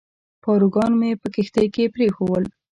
پاروګان مې په کښتۍ کې پرېښوول.